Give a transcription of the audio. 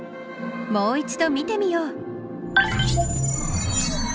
もう一度見てみよう。